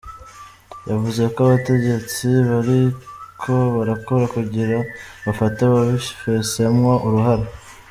Yavuze ko abategetsi bariko barakora kugira "bafate ababifisemwo uruhara".